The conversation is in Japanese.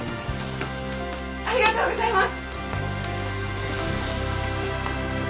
ありがとうございます！